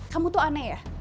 kamu tuh aneh ya